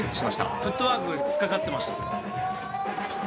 フットワークがつっかかってました。